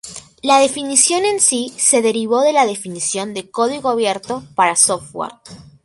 La definición en sí se derivó de la definición de código abierto para software.